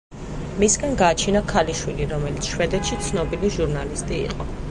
მისგან გააჩინა ქალიშვილი, რომელიც შვედეთში ცნობილი ჟურნალისტი იყო.